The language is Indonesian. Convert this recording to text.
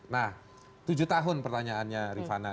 nah tujuh tahun pertanyaannya rifana